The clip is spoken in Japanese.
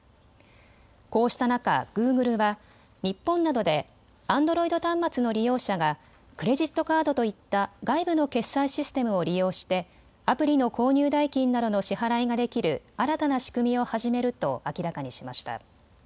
こうした中、グーグルは日本などでアンドロイド端末の利用者がクレジットカードといった外部の決済システムを利用してアプリの購入代金などの支払いができる新たな仕組みを始めると明らかにしました。